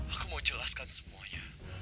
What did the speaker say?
aku mau jelaskan semuanya